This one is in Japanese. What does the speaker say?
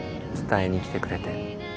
伝えに来てくれて。